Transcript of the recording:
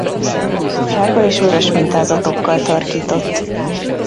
Sárga és vörös mintázatokkal tarkított.